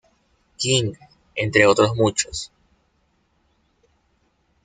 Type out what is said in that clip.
King, entre otros muchos.